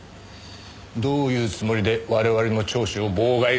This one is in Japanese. どういうつもりで我々の聴取を妨害するんです？